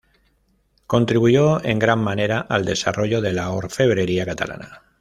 Contribuyó en gran manera al desarrollo de la orfebrería catalana.